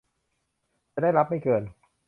จะได้รับไม่เกิน